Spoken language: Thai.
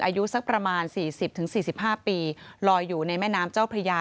อายุสักประมาณสี่สิบถึงสี่สิบห้าปีลอยอยู่ในแม่น้ำเจ้าพระยา